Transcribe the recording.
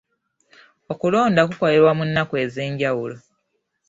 Okulonda kukolebwa ku nnaku ez'enjawulo.